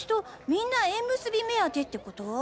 みんな縁結び目当てってこと？